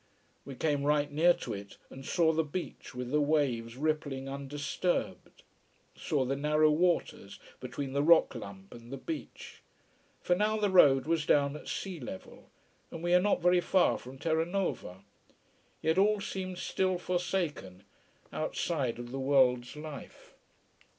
We came right near to it, and saw the beach with the waves rippling undisturbed, saw the narrow waters between the rock lump and the beach. For now the road was down at sea level. And we were not very far from Terranova. Yet all seemed still forsaken, outside of the world's life.